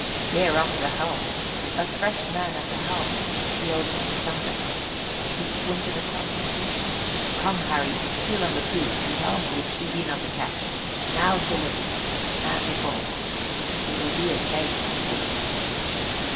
"Bear up the helm! A fresh man at the helm!" the Old One thundered. He squinted across the sea. "Come, Harry here on the poop and tell me if she be not a ketch. Now she lifts now she falls. 'Twill be a chase, I take it."